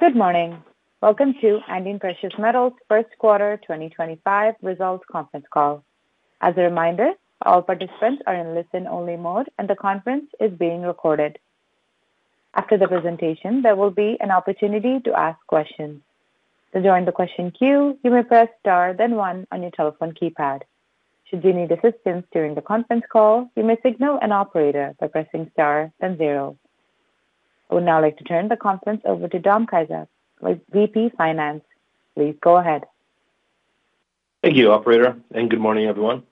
Good morning. Welcome to Andean Precious Metals' first quarter 2025 results conference call. As a reminder, all participants are in a listen-only mode, and the conference is being recorded. After the presentation, there will be an opportunity to ask questions. To join the question queue, you may press star then one on your telephone keypad. Should you need assistance during the conference call, you may signal an operator by pressing star then zero. I would now like to turn the conference over to Dom Kizek, VP Finance. Please go ahead. Thank you, Operator, and good morning, everyone.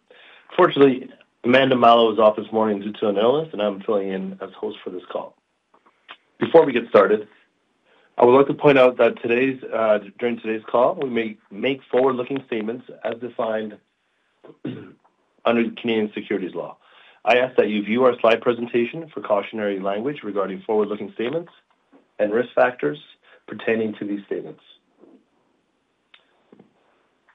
Fortunately, Amanda Mallough is off this morning due to an illness, and I'm filling in as host for this call. Before we get started, I would like to point out that during today's call, we may make forward-looking statements as defined under Canadian securities law. I ask that you view our slide presentation for cautionary language regarding forward-looking statements and risk factors pertaining to these statements.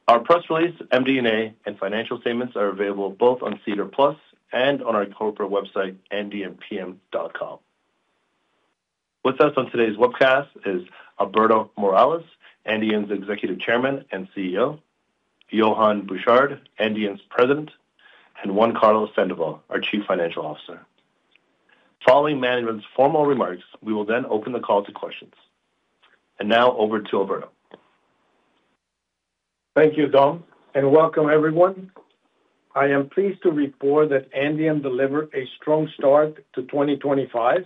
Our press release, MD&A, and financial statements are available both on SEDAR Plus and on our corporate website, AndeanPM.com. With us on today's webcast is Alberto Morales, Andean's Executive Chairman and CEO, Yohann Bouchard, Andean's President, and Juan Carlos Sandoval, our Chief Financial Officer. Following Amanda Mallough's formal remarks, we will then open the call to questions. Now, over to Alberto. Thank you, Dom, and welcome, everyone. I am pleased to report that Andean delivered a strong start to 2025.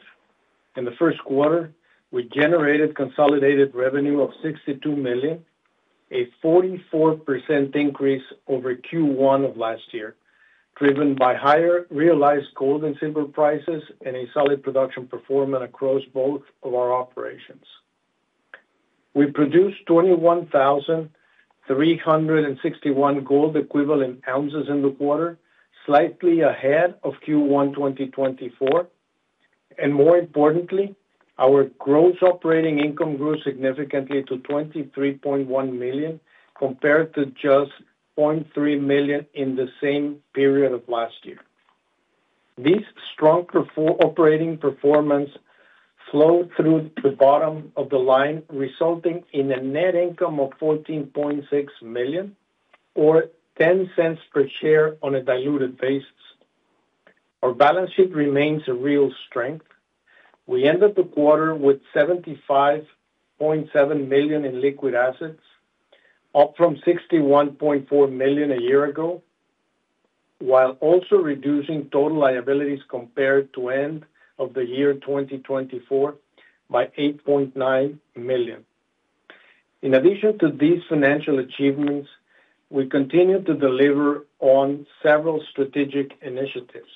In the first quarter, we generated consolidated revenue of $62 million, a 44% increase over Q1 of last year, driven by higher realized gold and silver prices and a solid production performance across both of our operations. We produced 21,361 gold-equivalent ounces in the quarter, slightly ahead of Q1 2024. More importantly, our gross operating income grew significantly to $23.1 million compared to just $0.3 million in the same period of last year. This strong operating performance flowed through the bottom of the line, resulting in a net income of $14.6 million, or $0.10 per share on a diluted basis. Our balance sheet remains a real strength. We ended the quarter with $75.7 million in liquid assets, up from $61.4 million a year ago, while also reducing total liabilities compared to the end of the year 2024 by $8.9 million. In addition to these financial achievements, we continue to deliver on several strategic initiatives.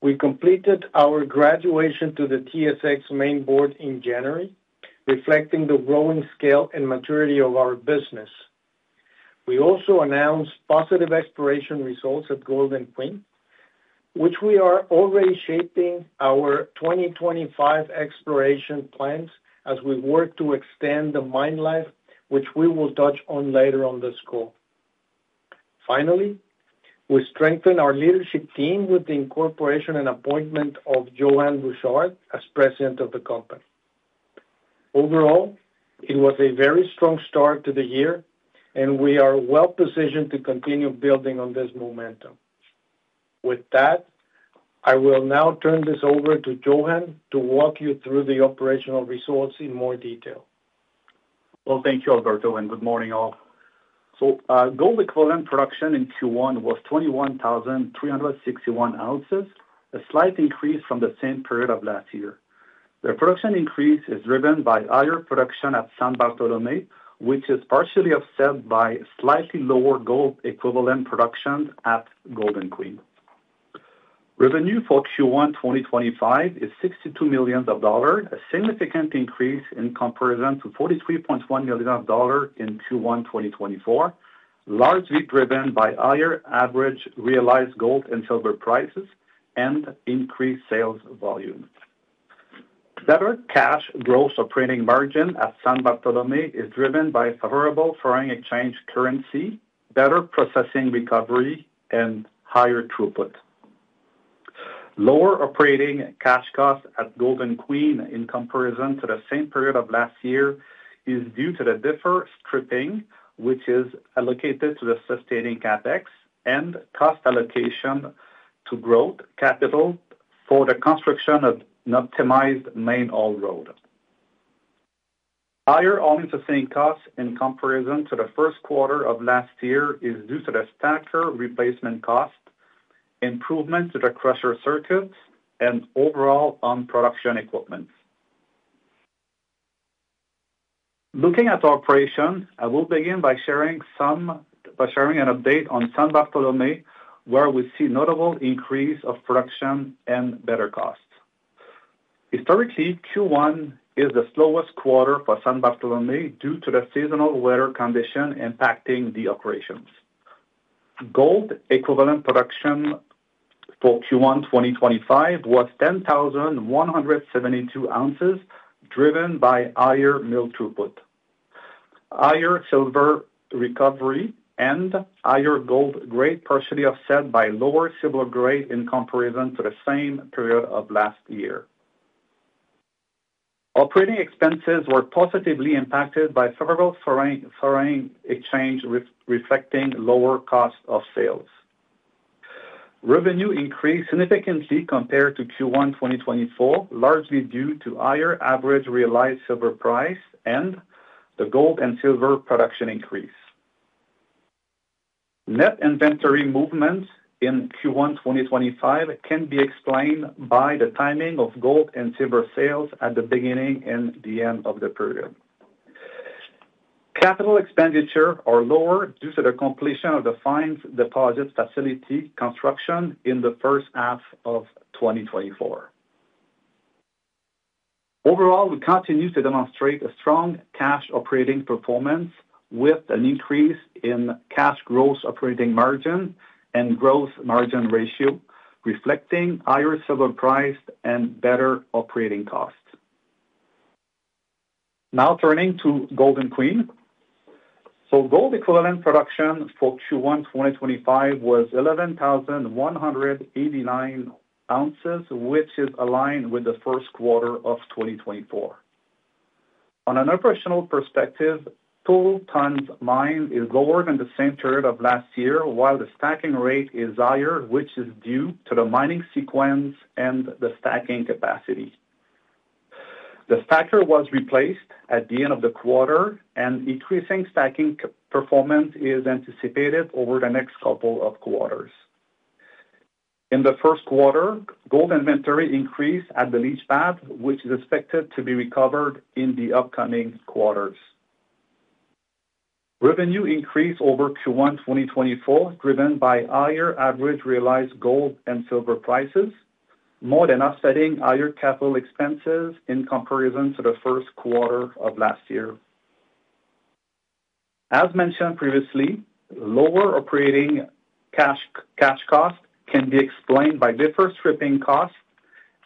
We completed our graduation to the TSX main board in January, reflecting the growing scale and maturity of our business. We also announced positive exploration results at Golden Queen, which we are already shaping our 2025 exploration plans as we work to extend the mine life, which we will touch on later on this call. Finally, we strengthened our leadership team with the incorporation and appointment of Yohann Bouchard as President of the company. Overall, it was a very strong start to the year, and we are well-positioned to continue building on this momentum. With that, I will now turn this over to Yohann to walk you through the operational results in more detail. Thank you, Alberto, and good morning, all. Gold-equivalent production in Q1 was 21,361 ounces, a slight increase from the same period of last year. The production increase is driven by higher production at San Bartolomé, which is partially offset by slightly lower gold-equivalent production at Golden Queen. Revenue for Q1 2025 is $62 million, a significant increase in comparison to $43.1 million in Q1 2024, largely driven by higher average realized gold and silver prices and increased sales volume. Better cash gross operating margin at San Bartolomé is driven by favorable foreign exchange currency, better processing recovery, and higher throughput. Lower operating cash costs at Golden Queen in comparison to the same period of last year is due to the deferred stripping, which is allocated to the sustaining capex and cost allocation to growth capital for the construction of an optimized main all-road. Higher all-in sustaining costs in comparison to the first quarter of last year is due to the staggered replacement cost, improvement to the crusher circuits, and overall on production equipment. Looking at operations, I will begin by sharing an update on San Bartolomé, where we see a notable increase of production and better costs. Historically, Q1 is the slowest quarter for San Bartolomé due to the seasonal weather condition impacting the operations. Gold-equivalent production for Q1 2025 was 10,172 ounces, driven by higher mill throughput. Higher silver recovery and higher gold grade partially offset by lower silver grade in comparison to the same period of last year. Operating expenses were positively impacted by favorable foreign exchange reflecting lower cost of sales. Revenue increased significantly compared to Q1 2024, largely due to higher average realized silver price and the gold and silver production increase. Net inventory movements in Q1 2025 can be explained by the timing of gold and silver sales at the beginning and the end of the period. Capital expenditures are lower due to the completion of the fines deposit facility construction in the first half of 2024. Overall, we continue to demonstrate a strong cash operating performance with an increase in cash gross operating margin and gross margin ratio, reflecting higher silver price and better operating costs. Now turning to Golden Queen. Gold-equivalent production for Q1 2025 was 11,189 ounces, which is aligned with the first quarter of 2024. On an operational perspective, total tons mined is lower than the same period of last year, while the stacking rate is higher, which is due to the mining sequence and the stacking capacity. The stacker was replaced at the end of the quarter, and increasing stacking performance is anticipated over the next couple of quarters. In the first quarter, gold inventory increased at the leach pad, which is expected to be recovered in the upcoming quarters. Revenue increased over Q1 2024, driven by higher average realized gold and silver prices, more than offsetting higher capital expenses in comparison to the first quarter of last year. As mentioned previously, lower operating cash costs can be explained by deferred stripping costs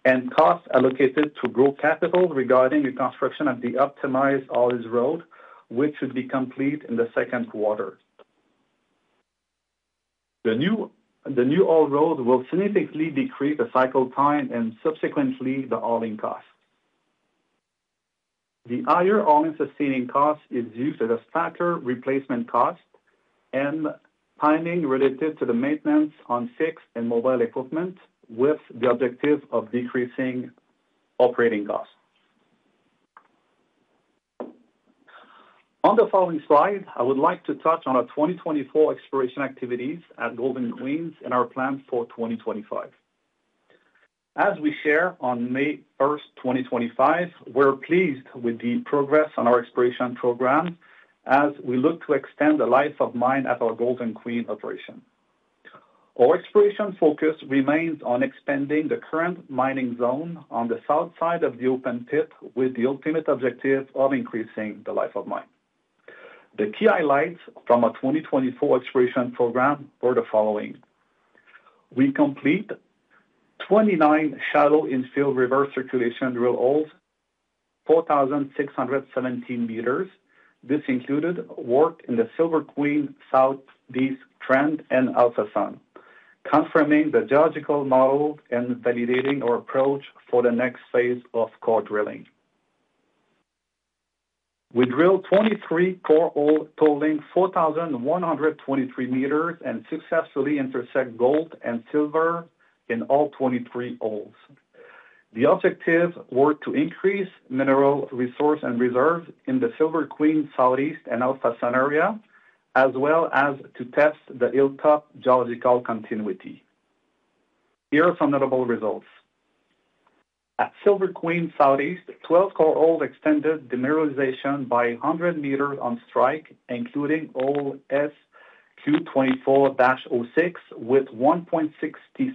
and costs allocated to growth capital regarding the construction of the optimized all-use road, which should be complete in the second quarter. The new all-use roads will significantly decrease the cycle time and subsequently the all-in cost. The higher all-in sustaining cost is used as a staggered replacement cost and timing related to the maintenance on fixed and mobile equipment, with the objective of decreasing operating costs. On the following slide, I would like to touch on our 2024 exploration activities at Golden Queen and our plans for 2025. As we share on May 1st, 2025, we're pleased with the progress on our exploration program as we look to extend the life of mine at our Golden Queen operation. Our exploration focus remains on expanding the current mining zone on the south side of the open pit with the ultimate objective of increasing the life of mine. The key highlights from our 2024 exploration program were the following. We complete 29 shallow infill reverse circulation drill holes, 4,617 m. This included work in the Silver Queen Southeast Trend and Alpha Sun, confirming the geological model and validating our approach for the next phase of core drilling. We drilled 23 core holes, totaling 4,123 m, and successfully intersect gold and silver in all 23 holes. The objectives were to increase mineral resource and reserves in the Silver Queen Southeast and Alpha Sun area, as well as to test the Hilltop geological continuity. Here are some notable results. At Silver Queen Southeast, 12 core holes extended the mineralization by 100 m on strike, including hole SQ24-06, with 1.67 g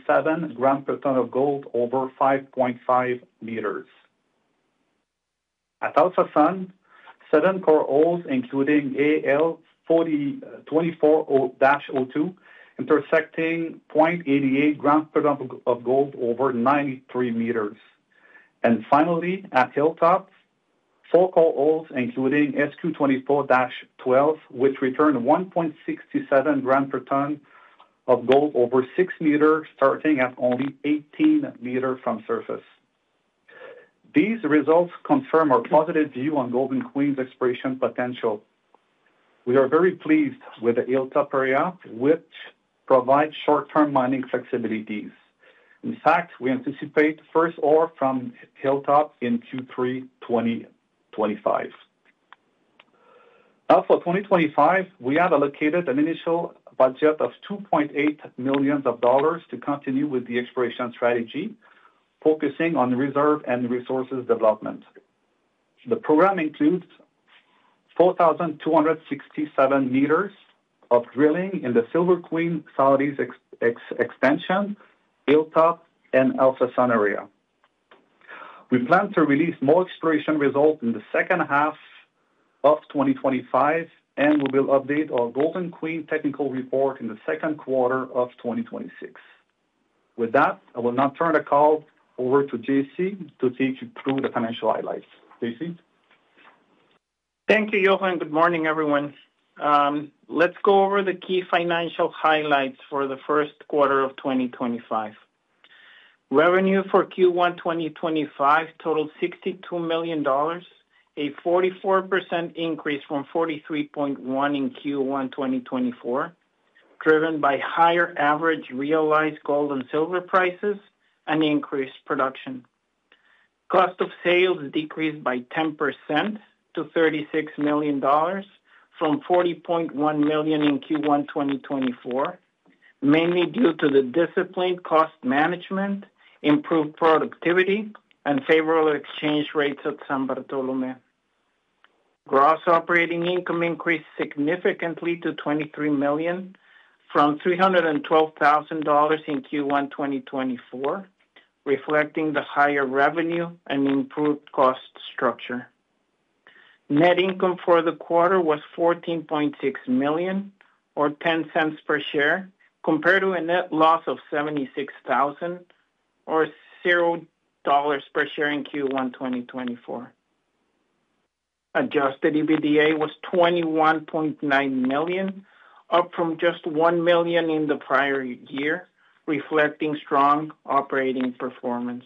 per ton of gold over 5.5 m. At Alpha Sun, seven core holes, including AL24-02, intersecting 0.88 g per ton of gold over 93 m. Finally, at Hilltop, four core holes, including SQ24-12, which returned 1.67 g per ton of gold over 6 m, starting at only 18 m from surface. These results confirm our positive view on Golden Queen's exploration potential. We are very pleased with the Hilltop area, which provides short-term mining flexibilities. In fact, we anticipate first ore from Hilltop in Q3 2025. Now, for 2025, we have allocated an initial budget of $2.8 million to continue with the exploration strategy, focusing on reserve and resources development. The program includes 4,267 m of drilling in the Silver Queen Southeast extension, Hilltop, and Alpha Sun area. We plan to release more exploration results in the second half of 2025, and we will update our Golden Queen technical report in the second quarter of 2026. With that, I will now turn the call over to JC to take you through the financial highlights. JC. Thank you, Yohann. Good morning, everyone. Let's go over the key financial highlights for the first quarter of 2025. Revenue for Q1 2025 totaled $62 million, a 44% increase from $43.1 million in Q1 2024, driven by higher average realized gold and silver prices and increased production. Cost of sales decreased by 10% to $36 million from $40.1 million in Q1 2024, mainly due to the disciplined cost management, improved productivity, and favorable exchange rates at San Bartolomé. Gross operating income increased significantly to $23 million from $312,000 in Q1 2024, reflecting the higher revenue and improved cost structure. Net income for the quarter was $14.6 million, or $0.10 per share, compared to a net loss of $76,000, or $0 per share in Q1 2024. Adjusted EBITDA was $21.9 million, up from just $1 million in the prior year, reflecting strong operating performance.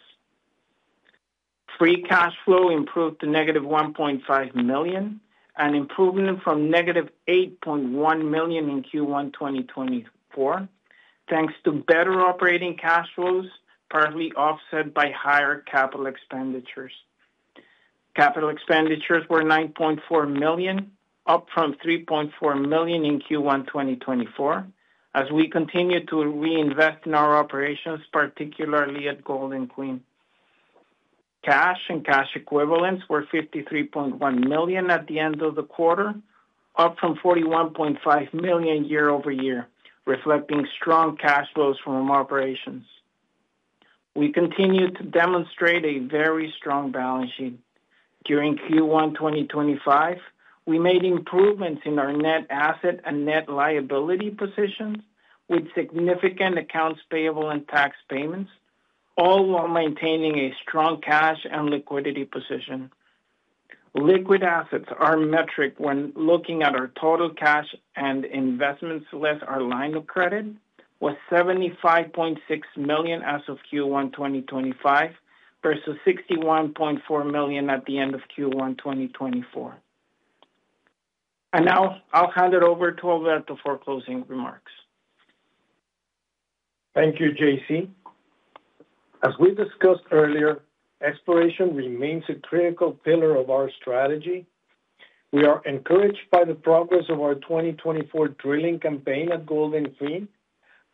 Free cash flow improved to negative $1.5 million, an improvement from negative $8.1 million in Q1 2024, thanks to better operating cash flows partly offset by higher capital expenditures. Capital expenditures were $9.4 million, up from $3.4 million in Q1 2024, as we continue to reinvest in our operations, particularly at Golden Queen. Cash and cash equivalents were $53.1 million at the end of the quarter, up from $41.5 million year over year, reflecting strong cash flows from our operations. We continue to demonstrate a very strong balance sheet. During Q1 2025, we made improvements in our net asset and net liability positions, with significant accounts payable and tax payments, all while maintaining a strong cash and liquidity position. Liquid assets, our metric when looking at our total cash and investments less our line of credit, was $75.6 million as of Q1 2025 versus $61.4 million at the end of Q1 2024. Now I'll hand it over to Alberto for closing remarks. Thank you, JC. As we discussed earlier, exploration remains a critical pillar of our strategy. We are encouraged by the progress of our 2024 drilling campaign at Golden Queen,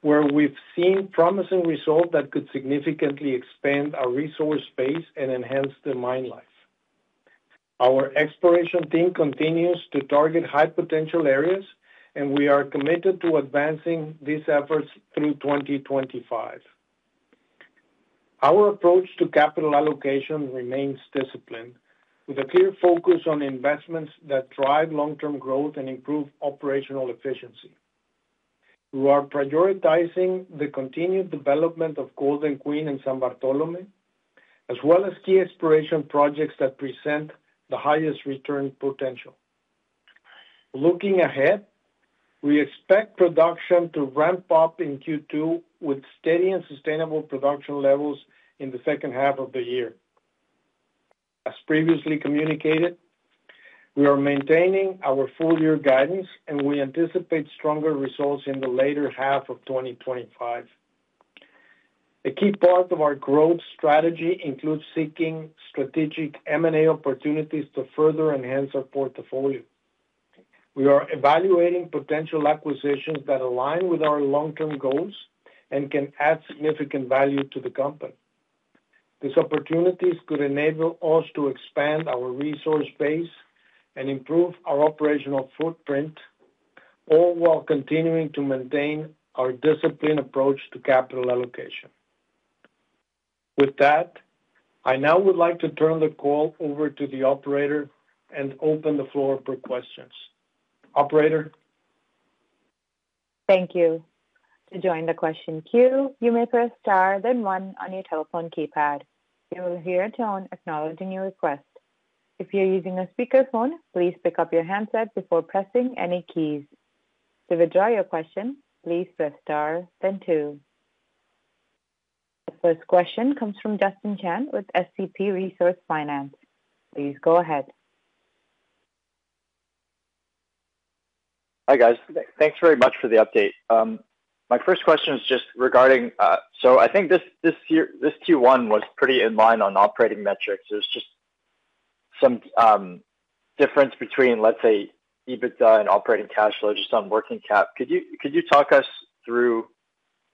where we've seen promising results that could significantly expand our resource base and enhance the mine life. Our exploration team continues to target high potential areas, and we are committed to advancing these efforts through 2025. Our approach to capital allocation remains disciplined, with a clear focus on investments that drive long-term growth and improve operational efficiency. We are prioritizing the continued development of Golden Queen and San Bartolomé, as well as key exploration projects that present the highest return potential. Looking ahead, we expect production to ramp up in Q2, with steady and sustainable production levels in the second half of the year. As previously communicated, we are maintaining our full-year guidance, and we anticipate stronger results in the later half of 2025. A key part of our growth strategy includes seeking strategic M&A opportunities to further enhance our portfolio. We are evaluating potential acquisitions that align with our long-term goals and can add significant value to the company. These opportunities could enable us to expand our resource base and improve our operational footprint, all while continuing to maintain our disciplined approach to capital allocation. With that, I now would like to turn the call over to the operator and open the floor for questions. Operator. Thank you. To join the question queue, you may press star, then one on your telephone keypad. You will hear a tone acknowledging your request. If you're using a speakerphone, please pick up your handset before pressing any keys. To withdraw your question, please press star, then two. The first question comes from Justin Chan with SCP Resource Finance. Please go ahead. Hi, guys. Thanks very much for the update. My first question is just regarding—so I think this Q1 was pretty in line on operating metrics. There is just some difference between, let's say, EBITDA and operating cash flow, just on working cap. Could you talk us through,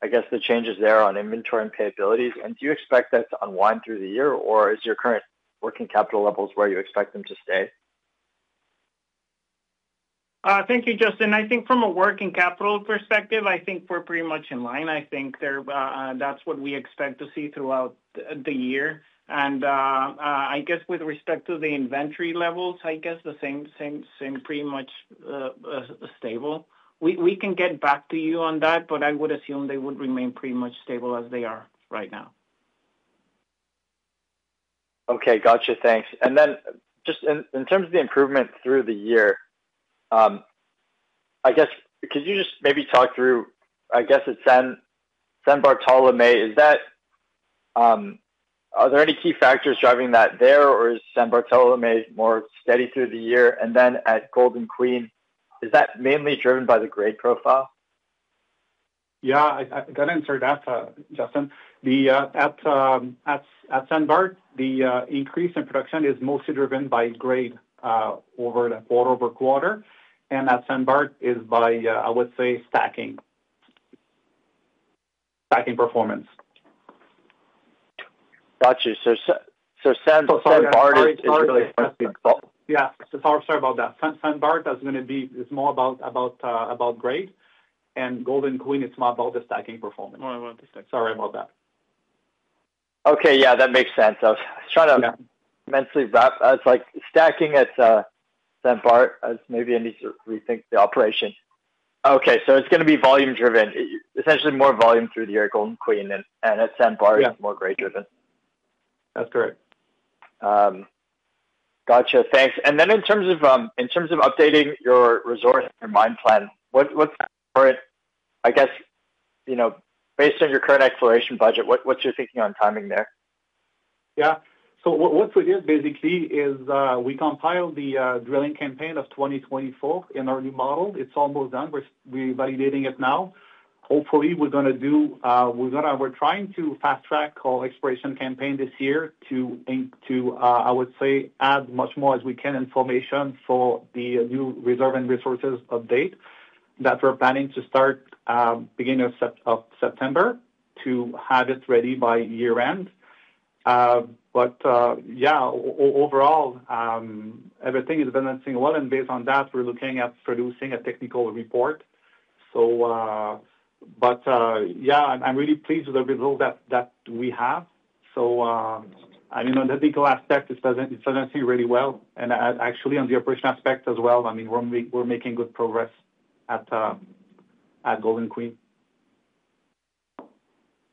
I guess, the changes there on inventory and payabilities? Do you expect that to unwind through the year, or is your current working capital levels where you expect them to stay? Thank you, Justin. I think from a working capital perspective, I think we're pretty much in line. I think that's what we expect to see throughout the year. I guess with respect to the inventory levels, I guess the same, pretty much stable. We can get back to you on that, but I would assume they would remain pretty much stable as they are right now. Okay. Got you. Thanks. And then just in terms of the improvement through the year, I guess, could you just maybe talk through, I guess, at San Bartolomé, are there any key factors driving that there, or is San Bartolomé more steady through the year? And then at Golden Queen, is that mainly driven by the grade profile? Yeah, I can answer that, Justin. At San Bart, the increase in production is mostly driven by grade over the quarter over quarter. At San Bart, it's by, I would say, stacking performance. Got you. San Bart is really Yeah, sorry about that. San Bartolomé is going to be more about grade, and Golden Queen is more about the stacking performance. Sorry about that. Okay. Yeah, that makes sense. I was trying to mentally wrap it. It's like stacking at San Bart, maybe I need to rethink the operation. Okay. So it's going to be volume-driven, essentially more volume through the year at Golden Queen, and at San Bart, more grade-driven. That's correct. Got you. Thanks. In terms of updating your resource and your mine plan, what's current, I guess, based on your current exploration budget, what's your thinking on timing there? Yeah. So what we did basically is we compiled the drilling campaign of 2024 in our new model. It's almost done. We're validating it now. Hopefully, we're going to do—we're trying to fast-track our exploration campaign this year to, I would say, add as much more as we can information for the new reserve and resources update that we're planning to start at the beginning of September to have it ready by year-end. Yeah, overall, everything is balancing well. Based on that, we're looking at producing a technical report. Yeah, I'm really pleased with the results that we have. I mean, on the technical aspect, it's balancing really well. Actually, on the operational aspect as well, I mean, we're making good progress at Golden Queen.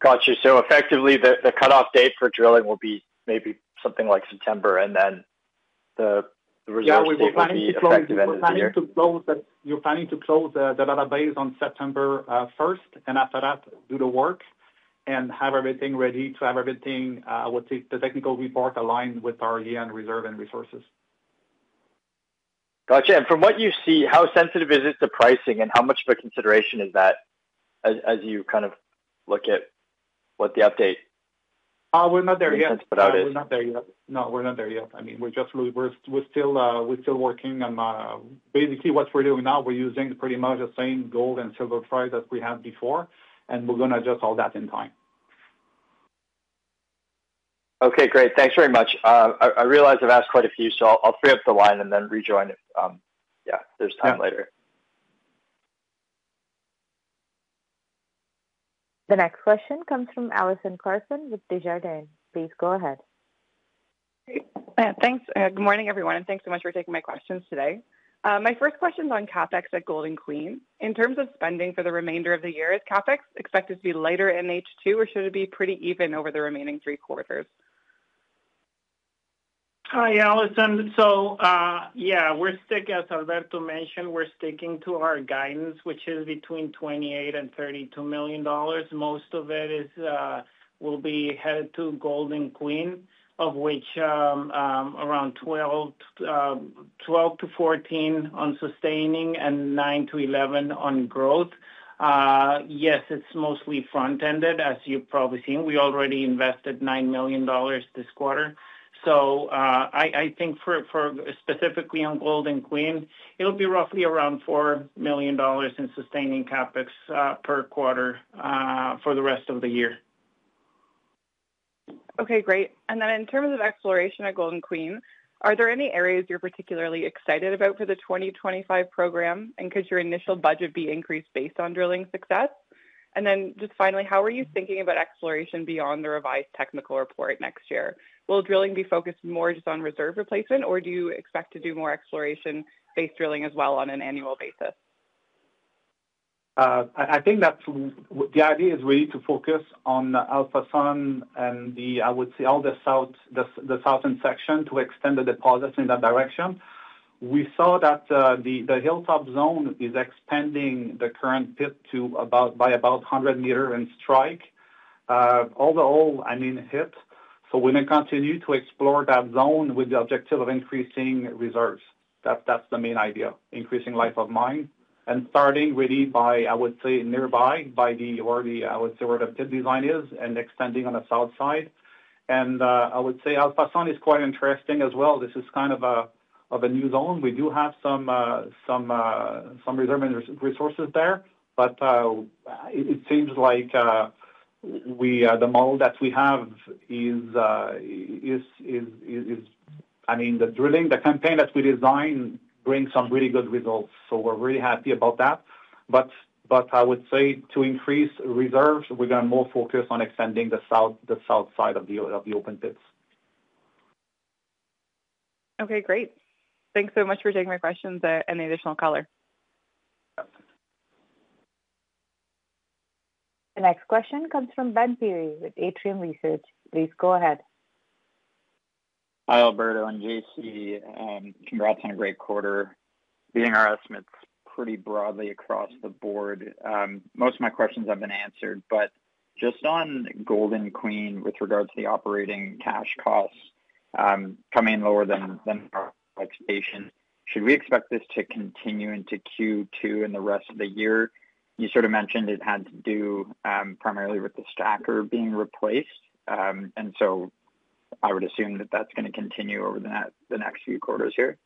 Got you. So effectively, the cutoff date for drilling will be maybe something like September, and then the results will be— Yeah, we're planning to close the database on September 1st, and after that, do the work and have everything ready to have everything, I would say, the technical report aligned with our year-end reserve and resources. Got you. And from what you see, how sensitive is it to pricing, and how much of a consideration is that as you kind of look at what the update consists of? We're not there yet. I mean, we're still working. Basically, what we're doing now, we're using pretty much the same gold and silver price that we had before, and we're going to adjust all that in time. Okay. Great. Thanks very much. I realize I've asked quite a few, so I'll free up the line and then rejoin if, yeah, there's time later. The next question comes from Allison Carson with Desjardins. Please go ahead. Thanks. Good morning, everyone, and thanks so much for taking my questions today. My first question is on CapEx at Golden Queen. In terms of spending for the remainder of the year, is CapEx expected to be lighter in H2, or should it be pretty even over the remaining three quarters? Hi, Alison. Yeah, we're sticking, as Alberto mentioned, we're sticking to our guidance, which is between $28 million and $32 million. Most of it will be headed to Golden Queen, of which around $12 million-$14 million on sustaining and $9 million-$11 million on growth. Yes, it's mostly front-ended, as you've probably seen. We already invested $9 million this quarter. I think specifically on Golden Queen, it'll be roughly around $4 million in sustaining CapEx per quarter for the rest of the year. Okay. Great. In terms of exploration at Golden Queen, are there any areas you're particularly excited about for the 2025 program, and could your initial budget be increased based on drilling success? Just finally, how are you thinking about exploration beyond the revised technical report next year? Will drilling be focused more just on reserve replacement, or do you expect to do more exploration-based drilling as well on an annual basis? I think that the idea is really to focus on the Alpha Sun and the, I would say, all the southern section to extend the deposits in that direction. We saw that the Hilltop zone is expanding the current pit by about 100 m in strike. Overall, I mean, hit. We may continue to explore that zone with the objective of increasing reserves. That is the main idea: increasing life of mine. Starting really, I would say, nearby by the already, I would say, where the pit design is and extending on the south side. I would say Alpha Sun is quite interesting as well. This is kind of a new zone. We do have some reserve and resources there, but it seems like the model that we have is, I mean, the drilling, the campaign that we designed brings some really good results. We're really happy about that. I would say to increase reserves, we're going to more focus on extending the south side of the open pits. Okay. Great. Thanks so much for taking my questions and the additional color. The next question comes from Ben Peary with Atrium Research. Please go ahead. Hi, Alberto and JC. Congrats on a great quarter. Beating our estimates pretty broadly across the board, most of my questions have been answered, but just on Golden Queen with regards to the operating cash costs coming in lower than expectation, should we expect this to continue into Q2 and the rest of the year? You sort of mentioned it had to do primarily with the stacker being replaced. I would assume that that's going to continue over the next few quarters here.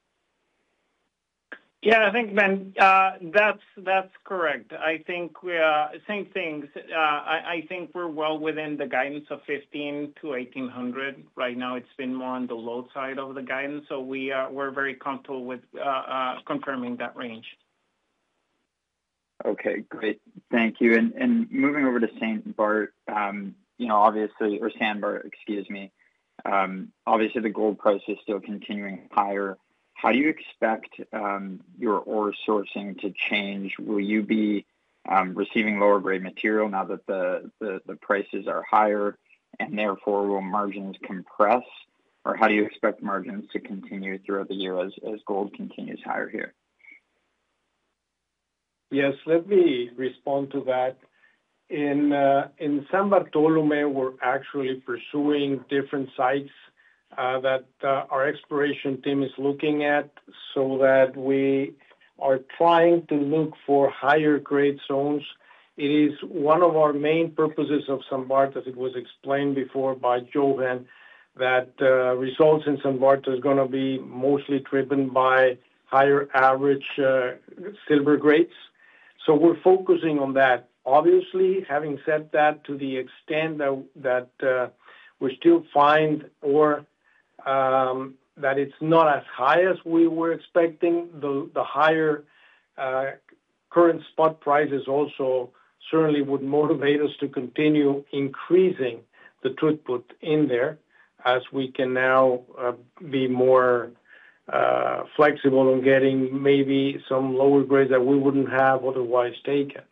Yeah, I think, Ben, that's correct. I think same things. I think we're well within the guidance of 1,500-1,800. Right now, it's been more on the low side of the guidance, so we're very comfortable with confirming that range. Okay. Great. Thank you. Moving over to San Bartolomé, obviously, the gold price is still continuing higher. How do you expect your ore sourcing to change? Will you be receiving lower-grade material now that the prices are higher, and therefore, will margins compress? How do you expect margins to continue throughout the year as gold continues higher here? Yes, let me respond to that. In San Bartolomé, we're actually pursuing different sites that our exploration team is looking at so that we are trying to look for higher-grade zones. It is one of our main purposes of San Bart, as it was explained before by Yohann, that results in San Bart are going to be mostly driven by higher-average silver grades. So we're focusing on that. Obviously, having said that, to the extent that we still find ore that is not as high as we were expecting, the higher current spot prices also certainly would motivate us to continue increasing the throughput in there as we can now be more flexible in getting maybe some lower grades that we would not have otherwise taken.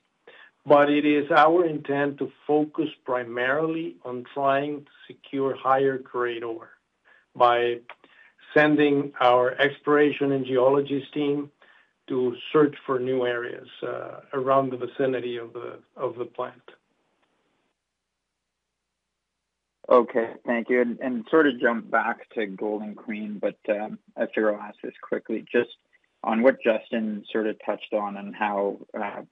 It is our intent to focus primarily on trying to secure higher-grade ore by sending our exploration and geologist team to search for new areas around the vicinity of the plant. Okay. Thank you. To jump back to Golden Queen, I have to ask this quickly. Just on what Justin sort of touched on and how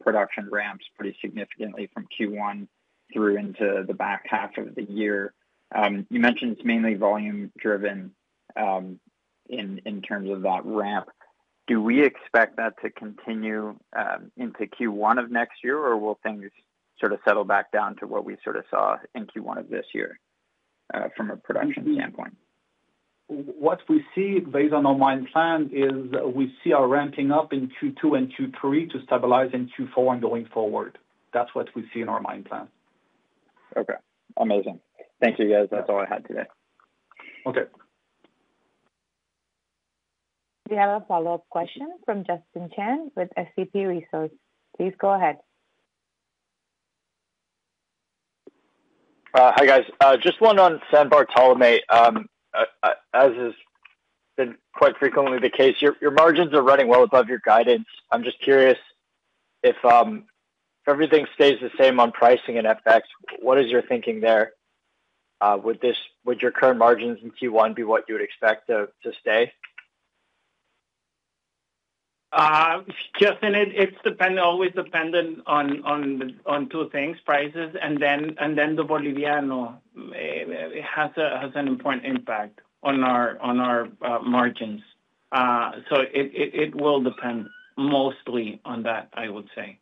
production ramps pretty significantly from Q1 through into the back half of the year, you mentioned it's mainly volume-driven in terms of that ramp. Do we expect that to continue into Q1 of next year, or will things sort of settle back down to what we sort of saw in Q1 of this year from a production standpoint? What we see based on our mine plan is we see our ramping up in Q2 and Q3 to stabilize in Q4 and going forward. That's what we see in our mine plan. Okay. Amazing. Thank you, guys. That's all I had today. Okay. We have a follow-up question from Justin Chan with SCP Resource. Please go ahead. Hi, guys. Just one on San Bartolomé. As has been quite frequently the case, your margins are running well above your guidance. I'm just curious if everything stays the same on pricing and FX, what is your thinking there? Would your current margins in Q1 be what you would expect to stay? Justin, it's always dependent on two things: prices, and then the Boliviano has an important impact on our margins. So it will depend mostly on that, I would say.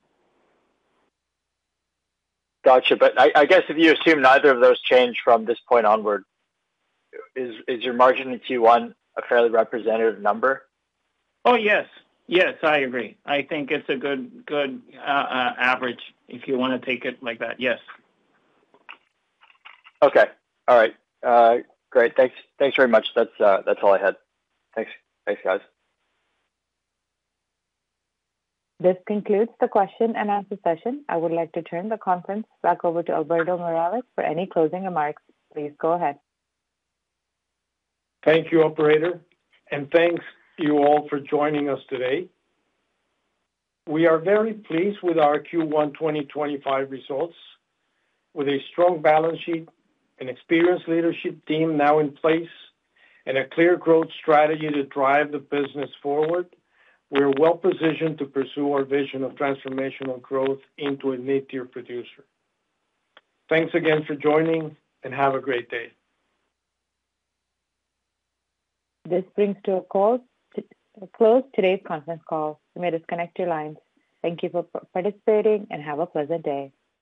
Got you. But I guess if you assume neither of those change from this point onward. Is your margin in Q1 a fairly representative number? Oh, yes. Yes, I agree. I think it's a good average if you want to take it like that. Yes. Okay. All right. Great. Thanks very much. That's all I had. Thanks, guys. This concludes the question and answer session. I would like to turn the conference back over to Alberto Morales for any closing remarks. Please go ahead. Thank you, Operator. Thank you all for joining us today. We are very pleased with our Q1 2025 results, with a strong balance sheet, an experienced leadership team now in place, and a clear growth strategy to drive the business forward. We are well-positioned to pursue our vision of transformational growth into a mid-tier producer. Thank you again for joining, and have a great day. This brings to a close today's conference call. We may disconnect your lines. Thank you for participating, and have a pleasant day.